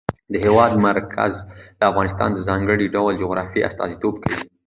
د هېواد مرکز د افغانستان د ځانګړي ډول جغرافیه استازیتوب کوي.